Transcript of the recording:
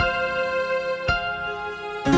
hai fitri kuda